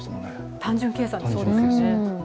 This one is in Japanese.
単純計算でそうですよね。